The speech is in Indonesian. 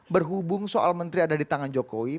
berhubung soal menteri ada di tangan jokowi